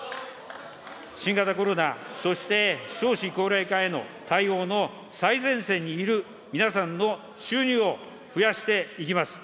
新型コロナ、そして少子高齢化への対応の最前線にいる皆さんの収入を増やしていきます。